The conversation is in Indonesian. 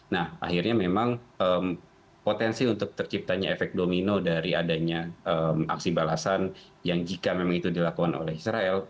nah akhirnya memang potensi untuk terciptanya efek domino dari adanya aksi balasan yang jika memang itu dilakukan oleh israel